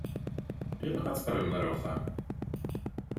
Ilaq ad teqqlem ar wexxam.